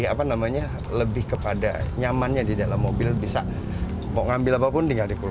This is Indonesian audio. jadi apa namanya lebih kepada nyamannya di dalam mobil bisa mau ngambil apapun tinggal di kursi